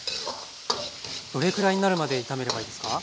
どれくらいになるまで炒めればいいですか？